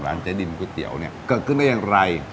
เจ๊ดินก๋วยเตี๋ยวเนี่ยเกิดขึ้นได้อย่างไร